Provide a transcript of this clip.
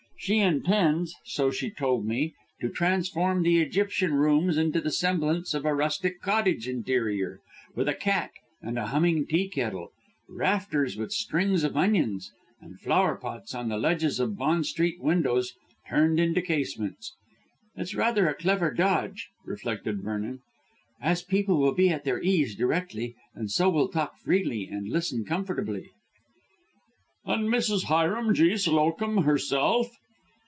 She intends, so she told me, to transform the Egyptian rooms into the semblance of a rustic cottage interior, with a cat and a humming tea kettle, rafters with strings of onions, and flower pots on the ledges of Bond Street windows turned into casements. It's rather a clever dodge," reflected Vernon, "as people will be at their ease directly and so will talk freely and listen comfortably." "And Mrs. Hiram G. Slowcomb herself?"